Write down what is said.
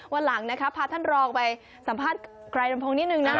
วันหลังพาท่านรอไปสัมภาษณ์กลายลมพงศ์นิดหนึ่งนะ